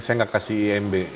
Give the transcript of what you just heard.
saya gak kasih imb